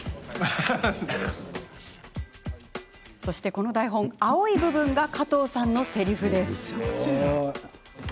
この台本、青い部分が加藤さんのせりふです。